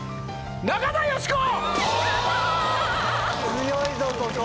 中田喜子！